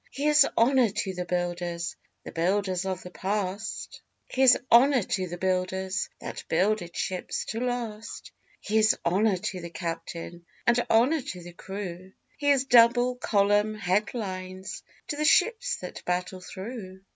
Here's honour to the builders The builders of the past; Here's honour to the builders That builded ships to last; Here's honour to the captain, And honour to the crew; Here's double column head lines To the ships that battle through.